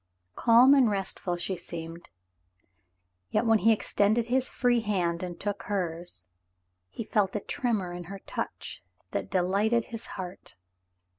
Calm and restful she seemed, yet when he extended his free hand and took hers, he felt a tremor in her touch that delighted his heart.